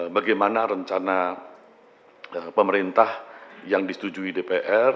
bagaimana rencana pemerintah yang disetujui dpr